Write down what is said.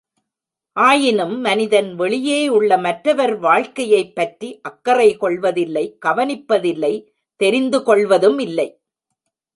ஆயினும், மனிதன் வெளியேயுள்ள மற்றவர் வாழ்க்கையைப் பற்றி அக்கறை கொள்வதில்லை கவனிப்பதில்லை தெரிந்து கொள்வதுமில்லை!